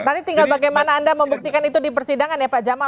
nanti tinggal bagaimana anda membuktikan itu di persidangan ya pak jamal